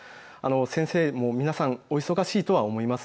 先生、皆さん忙しいと思います。